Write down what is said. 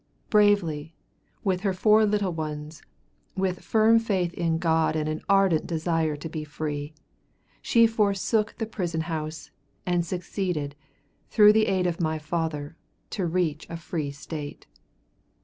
Bravely, with her four little ones, with firm faith in God and an ardent desire to be free, she forsook the prison house, and succeeded, through the aid of my father, to reach a free State.